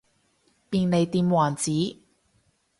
便利店王子